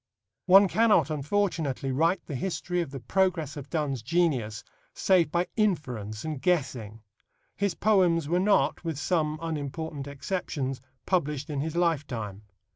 One cannot, unfortunately, write the history of the progress of Donne's genius save by inference and guessing. His poems were not, with some unimportant exceptions, published in his lifetime.